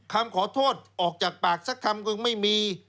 คำขอโทษออกจากปากสักคำก็ไม่มี